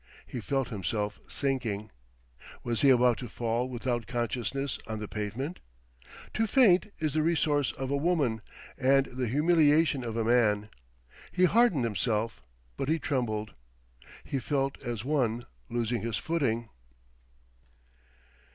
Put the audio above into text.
He felt himself sinking. Was he about to fall without consciousness on the pavement? To faint is the resource of a woman, and the humiliation of a man. He hardened himself, but he trembled. He felt as one losing his footing.